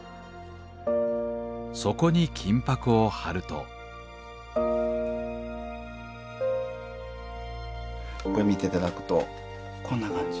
そこに金箔を貼るとこれ見て頂くとこんな感じ。